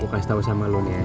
ngekas tau sama lo nih ya